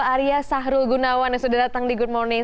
arya sahrul gunawan yang sudah datang di good morning